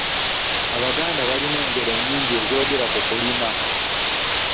Abaganda balina engero nnyigi ezoogera ku kulima.